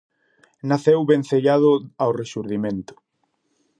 Naceu vencellado ao Rexurdimento.